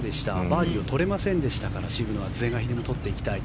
バーディーを取れませんでしたから渋野は是が非でも取っていきたい。